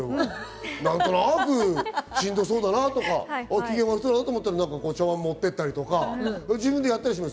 何となくしんどそうだなとか、機嫌悪そうだなと思ったら、茶碗持ってたりとか自分でやったりします。